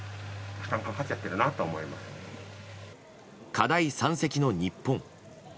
課題山積の日本。